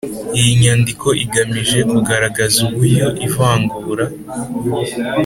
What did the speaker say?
Iyi nyandiko igamije kugaragaza uburyo ivangura